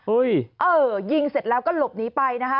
เออยิงเสร็จแล้วก็หลบหนีไปนะคะ